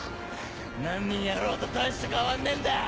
何人やろうと大して変わんねえんだよ！